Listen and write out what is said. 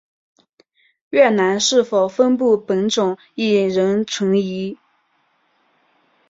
越南是否分布本种亦仍存疑。